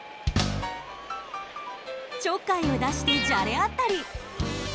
ちょっかいを出してじゃれ合ったり。